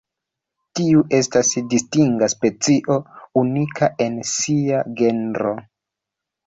Tiu estas distinga specio, unika en sia genro.